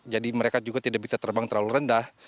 mereka juga tidak bisa terbang terlalu rendah